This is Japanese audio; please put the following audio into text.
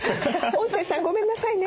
音声さんごめんなさいね。